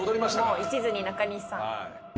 もういちずに中西さん。